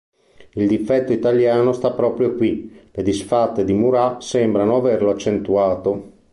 Il difetto italiano sta proprio qui; le disfatte di Murat sembrano averlo accentuato.